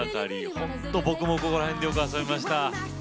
本当、僕も、ここら辺でよく遊びました。